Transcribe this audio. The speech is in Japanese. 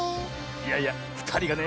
いやいやふたりがね